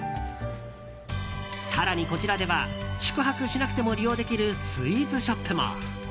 更に、こちらでは宿泊しなくても利用できるスイーツショップも。